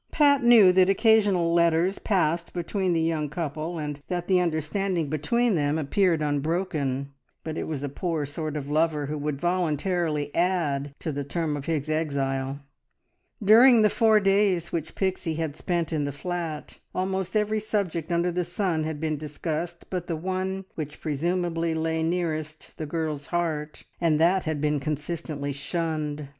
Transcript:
Pat knew that occasional letters passed between the young couple, and that the understanding between them appeared unbroken, but it was a poor sort of lover who would voluntarily add to the term of his exile. During the four days which Pixie had spent in the flat, almost every subject under the sun had been discussed but the one which presumably lay nearest the girl's heart, and that had been consistently shunned.